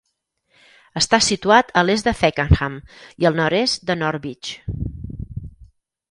Està situat a l'est de Fakenham i al nord-est de Norwich.